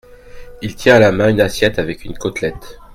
Il tient à la main une assiette avec une côtelette.